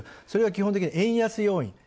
それが基本的に円安要因。